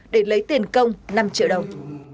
để lấy tiền công năm triệu đồng